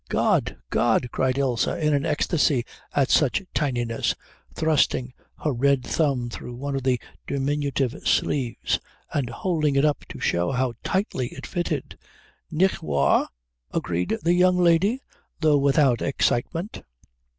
"God, God!" cried Ilse in an ecstasy at such tininess, thrusting her red thumb through one of the diminutive sleeves and holding it up to show how tightly it fitted. "Nicht wahr?" agreed the young lady, though without excitement.